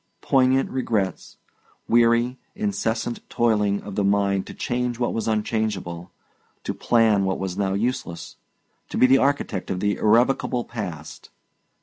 Poignant regrets, weary, incessant toiling of the mind to change what was unchangeable, to plan what was now useless, to be the architect of the irrevocable past.